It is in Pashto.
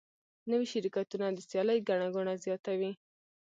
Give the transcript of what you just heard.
نوي شرکتونه د سیالۍ ګڼه ګوڼه زیاتوي.